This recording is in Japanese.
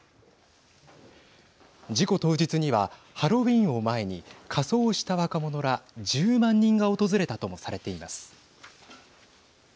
事故当日にはハロウィーンを前に仮装した若者ら１０万人が訪れたともされています。